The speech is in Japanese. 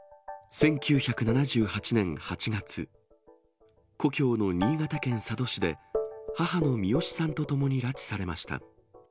１９７８年８月、故郷の新潟県佐渡市で、母のミヨシさんと共に拉致されました。